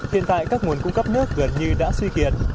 hiện tại các nguồn cung cấp nước gần như đã suy kiệt